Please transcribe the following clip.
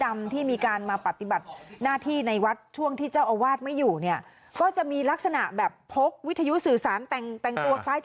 ไม่ต้อง